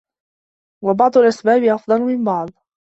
وَبَعْضُ الْأَسْبَابِ أَفْضَلُ مِنْ بَعْضِ